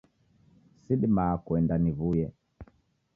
Sidimaa kuenda niw'uye.